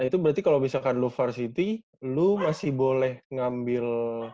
itu berarti kalau misalkan lu varsity lu masih boleh ngambil